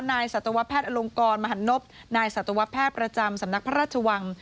สัตวแพทย์อลงกรมหันนบนายสัตวแพทย์ประจำสำนักพระราชวัง